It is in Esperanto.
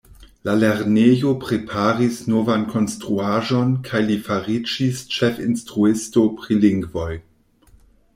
La lernejo preparis novan konstruaĵon kaj li fariĝis ĉefinstruisto pri lingvoj.